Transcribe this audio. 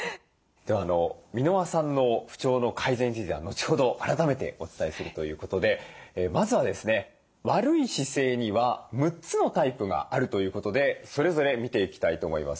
では箕輪さんの不調の改善については後ほど改めてお伝えするということでまずはですね悪い姿勢には６つのタイプがあるということでそれぞれ見ていきたいと思います。